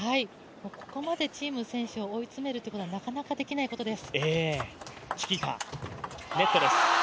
ここまで陳夢選手を追い詰めることはなかなかできないことです。